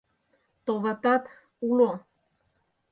— Товатат, уло!